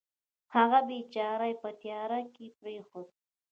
هغه بېچاره یې په تیارې کې پرېښود.